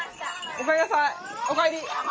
おかえり。